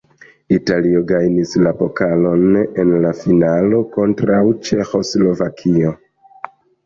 Italio gajnis la pokalon en la finalo kontraŭ Ĉeĥoslovakio.